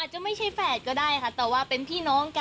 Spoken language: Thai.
จะไม่ใช่แฝดก็ได้ค่ะแต่ว่าเป็นพี่น้องกัน